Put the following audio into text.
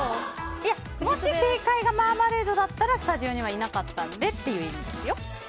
もし正解がマーマレードだったらスタジオにはいなかったのでという意味ですよ。